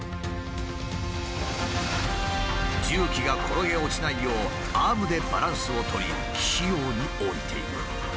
重機が転げ落ちないようアームでバランスを取り器用に降りていく。